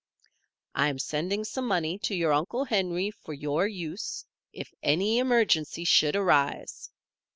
"I am sending some money to your Uncle Henry for your use, if any emergency should arise.